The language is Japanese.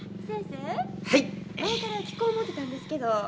前から聞こう思てたんですけど。